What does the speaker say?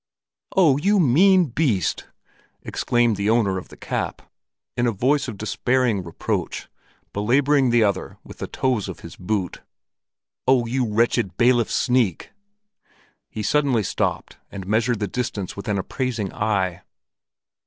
"Oh, you mean beast!" exclaimed the owner of the cap, in a voice of despairing reproach, belaboring the other with the toes of his boots. "Oh, you wretched bailiff's sneak!" He suddenly stopped and measured the distance with an appraising eye.